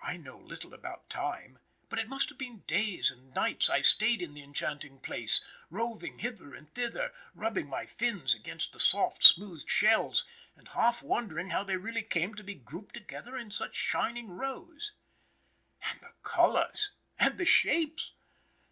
I know little about time, but it must have been days and nights I stayed in the enchanting place, roving hither and thither, rubbing my fins against the soft, smooth shells, and half wondering how they really came to be grouped together in such shining rows. And the colors! And the shapes!